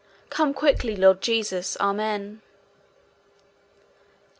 Come quickly, Lord Jesus, Amen.